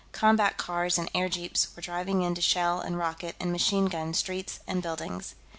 Combat cars and airjeeps were diving in to shell and rocket and machine gun streets and buildings.